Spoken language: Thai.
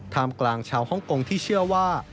มกลางชาวฮ่องกงที่เชื่อว่า